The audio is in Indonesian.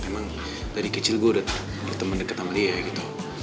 emang dari kecil gue udah berteman deket sama dia gitu